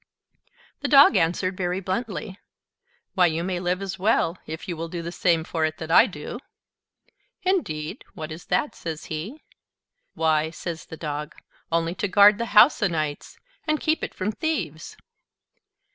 The Dog answered very bluntly, "Why, you may live as well, if you will do the same for it that I do." "Indeed? what is that?" says he. "Why," says the Dog, "only to guard the house a nights, and keep it from thieves."